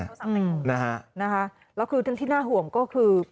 อืมนะคะนะคะแล้วคือที่น่าห่วงก็คือ